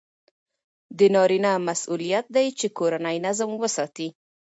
د نارینه مسئولیت دی چې کورنی نظم وساتي.